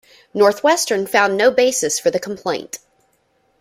Northwestern found no basis for the complaint.